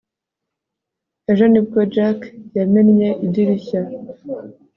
Ejo nibwo Jack yamennye idirishya